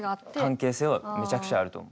関係性はめちゃくちゃあると思う。